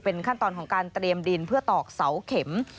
ขั้นตอนของการเตรียมดินเพื่อตอกเสาเข็ม